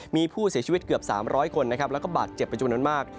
มีผู้เสียชีวิตเกือบ๓๐๐คนนะครับแล้วก็บาดเจ็บเป็นจำนวนมาก